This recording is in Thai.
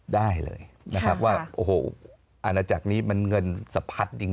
ได้เลยว่าอาณาจักรนี้มันเงินสะพัดจริง